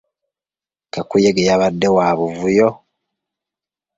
Kakuyege yabadde wa buvuyo.